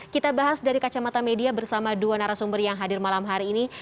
kita bahas dari kacamata media bersama dua narasumber yang hadir malam hari ini